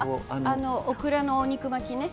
オクラのお肉巻きね。